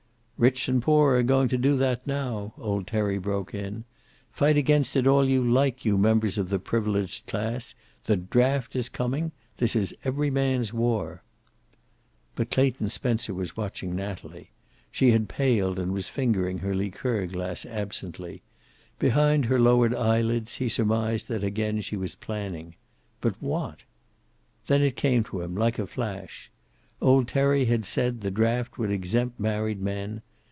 "Rich and poor are going to do that, now," old Terry broke in. "Fight against it all you like, you members of the privileged class, the draft is coming. This is every man's war." But Clayton Spencer was watching Natalie. She had paled and was fingering her liqueur glass absently. Behind her lowered eyelids he surmised that again she was planning. But what? Then it came to him, like a flash. Old Terry had said the draft would exempt married men.